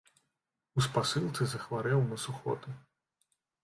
У спасылцы захварэў на сухоты.